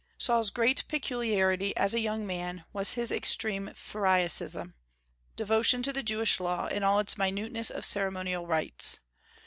Saul's great peculiarity as a young man was his extreme pharisaism, devotion to the Jewish Law in all its minuteness of ceremonial rites.